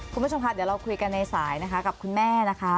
คุณผู้ชมค่ะเดี๋ยวเราคุยกันในสายนะคะกับคุณแม่นะคะ